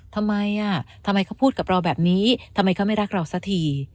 ทำไมอ่ะทำไมเขาพูดกับเราแบบนี้ทำไมเขาไม่รักเราสักที